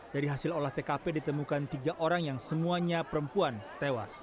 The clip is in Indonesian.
dari hasil olah tkp ditemukan tiga orang yang semuanya perempuan tewas